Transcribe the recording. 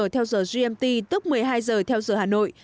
theo giờ gmt tức một mươi hai giờ theo giờ hà nội